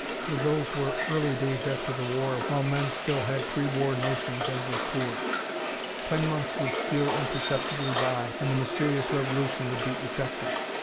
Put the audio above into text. For those were early days after the war, while men still had pre war notions and were poor. Ten months would steal imperceptibly by, and the mysterious revolution would be effected.